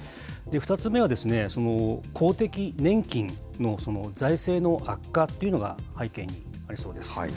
２つ目は、公的年金の財政の悪化っていうのが背景にありそうです。